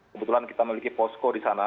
kebetulan kita memiliki posko di sana